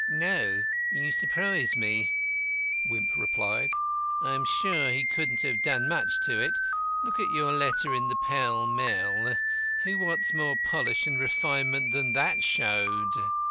"No. You surprise me," Wimp replied. "I'm sure he couldn't have done much to it. Look at your letter in the Pell Mell. Who wants more polish and refinement than that showed?"